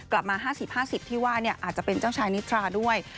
กลับมา๕๐๕๐ที่ว่าอาจจะเป็นเจ้าชายนิทราด้วย